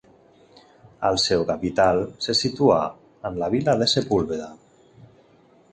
El seu capital se situa en la vila de Sepúlveda.